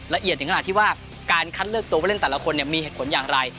ละเอียดถึงขนาดที่ว่าการคัดเลือกตัวผู้เล่นแต่ละคนมีเหตุผลอย่างไร